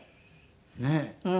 ねえ。